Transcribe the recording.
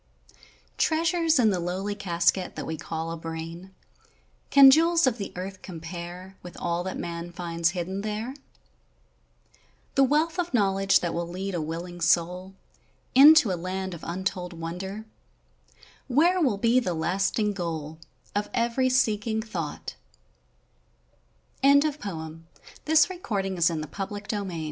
Treasures in the lowly casket that we call a brain, Can jewels of the earth compare With all that man finds hidden there? The wealth of knowledge, that will lead a willing soul Into a land of untold wonder, Where will be the lasting goal Of every seeking thought — [101 1 DAY DREAMS UNDERSTANDING (To the Brother o